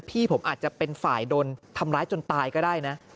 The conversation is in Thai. พี่ผมอาจจะเป็นฝ่ายโดนทำร้ายจนตายก็ได้นะ